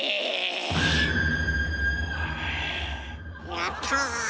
やった。